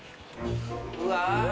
うわ。